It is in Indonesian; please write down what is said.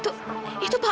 itu itu pak prabu